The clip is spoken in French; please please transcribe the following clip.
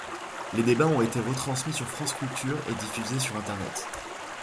Les débats ont été retransmis sur France Culture et diffusés sur internet.